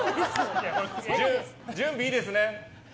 準備いいですね？